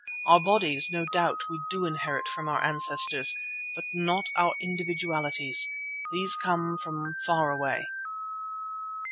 Our bodies, no doubt, we do inherit from our ancestors, but not our individualities. These come from far away.